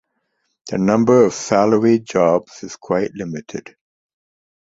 The number of salaried jobs is quite limited.